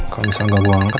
kalau misalnya gak gua angkat